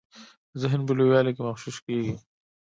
ذهن په لویوالي کي مغشوش کیږي.